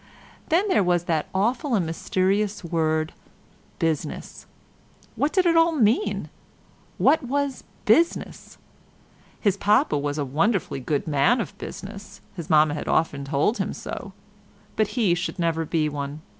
Then there was that awful and mysterious word 'business.' What did it all mean? What was 'business'? His Papa was a wonderfully good man of business, his Mamma had often told him so—but he should never be one.